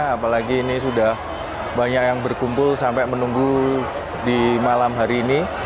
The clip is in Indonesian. apalagi ini sudah banyak yang berkumpul sampai menunggu di malam hari ini